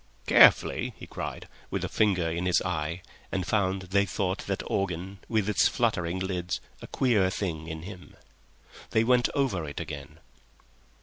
"Carefully," he cried, with a finger in his eye, and found they thought that organ, with its fluttering lids, a queer thing in him. They went over it again.